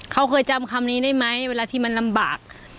เขาเคยจำคำนี้ได้ไหมเวลาที่มันลำบาก